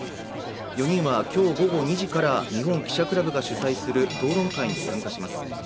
４人は今日午後２時から日本記者クラブが主催する討論会に参加します。